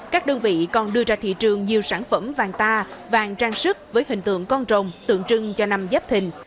các đơn vị còn đưa ra thị trường nhiều sản phẩm vàng ta vàng trang sức với hình tượng con rồng tượng trưng cho năm giáp thình